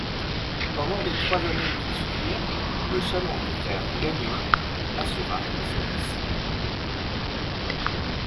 Pendant les trois années qui suivirent le chaland des frères Gagnon assura le service.